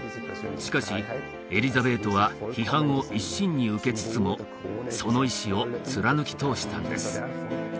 しかしエリザベートは批判を一身に受けつつもその意志を貫き通したんです